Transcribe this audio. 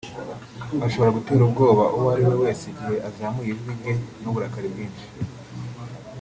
ashobora gutera ubwoba uwo ariwe wese igihe azamuye ijwi rye n’uburakari bwinshi